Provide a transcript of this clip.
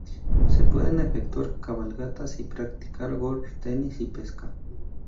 Se pueden efectuar cabalgatas y practicar golf, tenis y pesca.